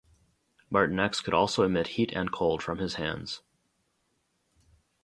Martinex could also emit heat and cold from his hands.